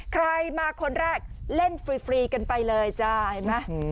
ใครมาคนแรกเล่นฟรีกันไปเลยจ้าเห็นไหม